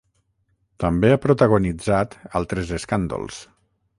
També ha protagonitzat altres escàndols.